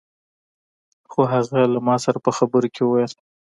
خو هغه له ما سره په خبرو کې وويل.